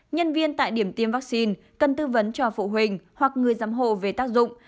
nhân viên tại điểm tiêm vaccine cần tư vấn cho phụ huynh hoặc người giám hồ về tác dụng